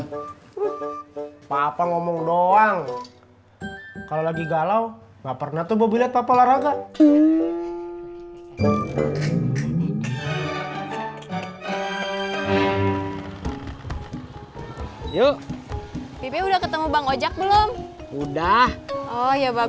sampai jumpa di video selanjutnya